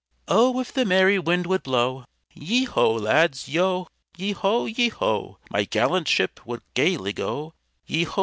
"_Oh! if the merry wind would blow, Yeo ho! lads, ho! yeo ho! yeo ho! My gallant ship would gaily go, Yeo ho!